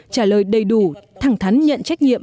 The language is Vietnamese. trả lời đầy đủ thẳng thắn nhận trách nhiệm